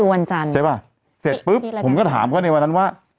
วันจันทร์ใช่ป่ะเสร็จปุ๊บผมก็ถามเขาในวันนั้นว่า